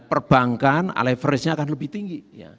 perbankan ala leverage nya akan lebih tinggi